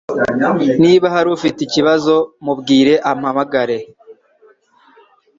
Niba hari ufite ikibazo mubwire umpamagare